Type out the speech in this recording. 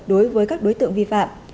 đối với các đối tượng vi phạm